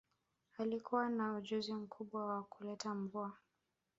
Alikuwa na ujuzi mkubwa wa kuleta mvua